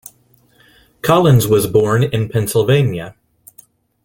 Collins was born in Pennsylvania.